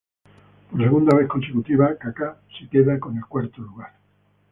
Por segunda vez consecutiva, Kaká se queda con el cuarto lugar.